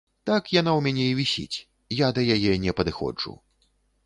Так яна ў мяне і вісіць, я да яе не падыходжу.